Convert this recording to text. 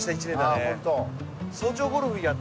あホント。